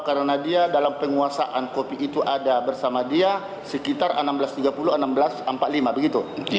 karena dia dalam penguasaan kopi itu ada bersama dia sekitar enam belas tiga puluh enam belas empat puluh lima begitu